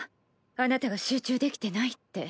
あなたが集中できてないって。